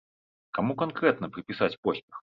Каму канкрэтна прыпісаць поспех?